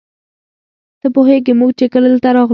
ته پوهېږې موږ چې کله دلته راغلو.